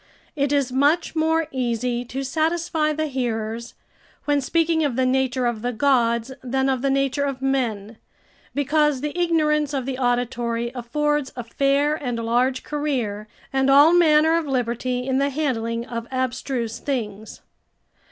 ] it is much more easy to satisfy the hearers, when speaking of the nature of the gods than of the nature of men, because the ignorance of the auditory affords a fair and large career and all manner of liberty in the handling of abstruse things.